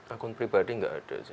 akun pribadi nggak ada